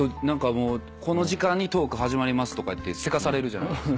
この時間にトーク始まりますとかってせかされるじゃないですか。